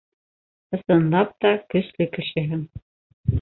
Ысынлап та, көслө кешеһең.